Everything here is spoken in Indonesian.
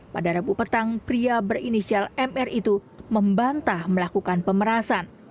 pada rabu petang pria berinisial mr itu membantah melakukan pemerasan